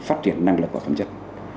phát triển năng lực của phòng chất